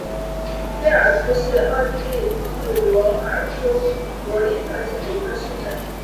菲尔斯是奥地利蒂罗尔州罗伊特县的一个市镇。